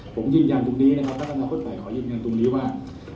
ผมยืนยันตรงนี้นะครับพัฒนาคตใหม่ขอยืนยันตรงนี้ว่า